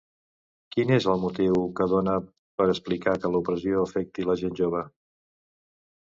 Quin és el motiu que dona per explicar que l'opressió afecti la gent jove?